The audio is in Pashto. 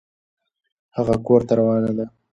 هغه کور ته روان ده